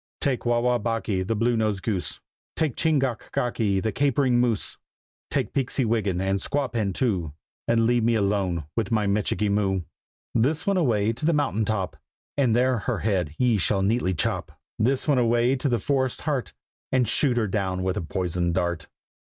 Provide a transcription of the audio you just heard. "Take Wah wah bocky, the Blue nosed Goose! Take Ching gach gocky, the Capering Moose! Take Peeksy Wiggin, and Squawpan too, And leave me alone with my Michikee Moo! This one away to the mountain top, And there her head ye shall neatly chop. This one away to the forest's heart, And shoot her down with a poisoned dart.